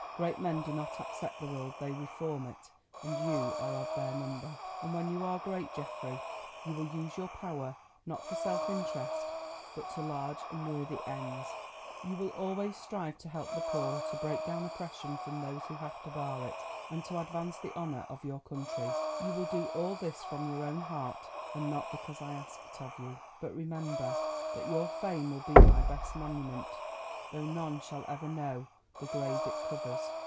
Great men do not accept the world; they reform it—and you are of their number. And when you are great, Geoffrey, you will use your power, not for self interest, but to large and worthy ends; you will always strive to help the poor, to break down oppression from those who have to bear it, and to advance the honour of your country. You will do all this from your own heart and not because I ask it of you, but remember that your fame will be my best monument—though none shall ever know the grave it covers.